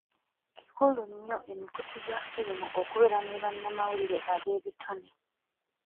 Kikulu nnyo emikutu gya ffirimu okubeera ne bannamawulire ab'ebitone.